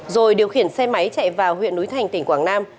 rồi điều khiển xe máy chạy vào huyện núi thành tỉnh quảng nam